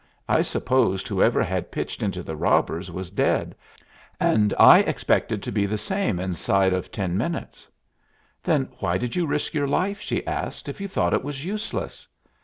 I supposed whoever had pitched into the robbers was dead, and I expected to be the same inside of ten minutes." "Then why did you risk your life," she asked, "if you thought it was useless?"